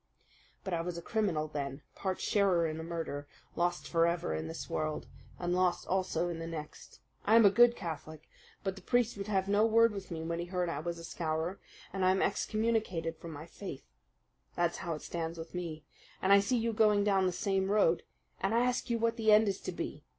"But I was a criminal then, part sharer in a murder, lost forever in this world, and lost also in the next. I am a good Catholic; but the priest would have no word with me when he heard I was a Scowrer, and I am excommunicated from my faith. That's how it stands with me. And I see you going down the same road, and I ask you what the end is to be.